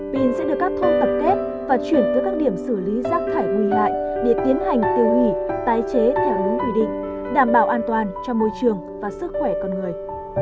pin sẽ được các thôn tập kết và chuyển tới các điểm xử lý rác thải nguy hại để tiến hành tiêu hủy tái chế theo đúng quy định đảm bảo an toàn cho môi trường và sức khỏe con người